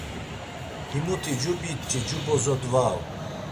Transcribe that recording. Himuti cu biç̌i cu bozo dvau.